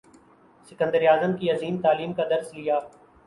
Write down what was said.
سکندر اعظم کی عظیم تعلیم کا درس لیا